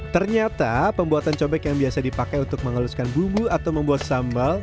ternyata pembuatan cobek yang biasa dipakai untuk mengeluskan bumbu atau membuat sambal